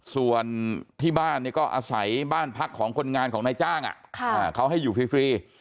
ส่วนที่บ้านก็อาศัยบ้านพักของคนงานของนายจ้างเขาให้อยู่ฟรี